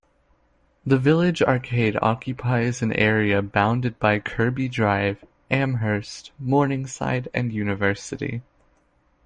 The Village Arcade occupies an area bounded by Kirby Drive, Amherst, Morningside, and University.